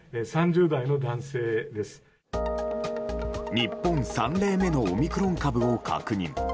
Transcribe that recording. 日本３例目のオミクロン株を確認。